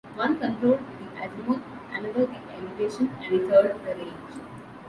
One controlled the azimuth, another the elevation, and the third the range.